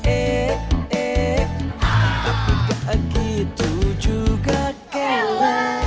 eh eh tapi gak gitu juga kelas